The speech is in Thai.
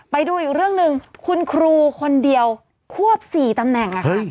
ไปดูอีกเรื่องหนึ่งคุณครูคนเดียวควบ๔ตำแหน่งค่ะ